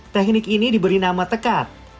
teknik ini diberi nama tekat